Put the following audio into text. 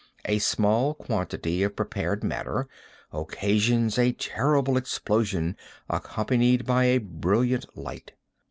A small quantity of prepared matter occasions a terrible explosion accompanied by a brilliant light.